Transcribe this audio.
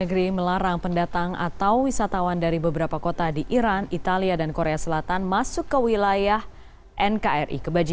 negeri melarang pendatang atau wisatawan dari beberapa kota di iran italia dan korea selatan masuk ke wilayah nkri